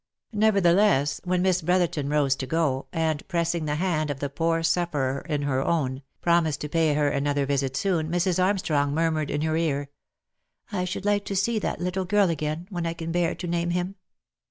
Nevertheless, when Miss Brotherton rose to go, and pressing the hand of the poor sufferer in her own, promised to pay her another visit soon, Mrs, Armstrong murmured in her ear, " I should like to see that little girl again, when I can bear to name him."